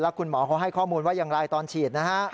คุณหมอเขาให้ข้อมูลว่าอย่างไรตอนฉีดนะฮะ